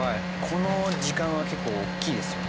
この時間は結構大きいですよね。